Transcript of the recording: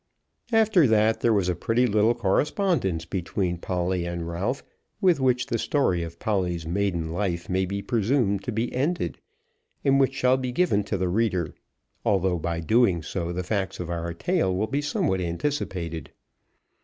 After that there was a pretty little correspondence between Polly and Ralph, with which the story of Polly's maiden life may be presumed to be ended, and which shall be given to the reader, although by doing so the facts of our tale will be somewhat anticipated.